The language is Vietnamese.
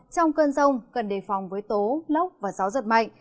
trong cơn rông cần đề phòng với tố lốc và gió giật mạnh